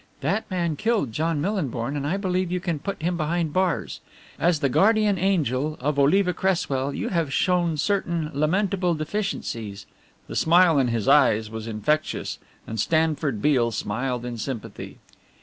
That man killed John Millinborn and I believe you can put him behind bars. As the guardian angel of Oliva Cresswell you have shown certain lamentable deficiencies" the smile in his eyes was infectious, and Stanford Beale smiled in sympathy.